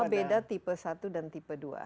apa beda tipe satu dan tipe dua